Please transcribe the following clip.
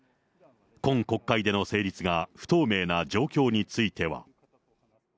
今国会での成立が不透明な状況については。